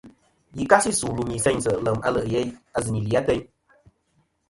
Yì kasi su lùmì seynsɨ lèm a le' ghè a zɨ nì li atayn.